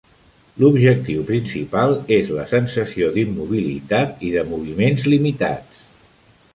L'objectiu principal és la sensació d'immobilitat i de moviments limitats.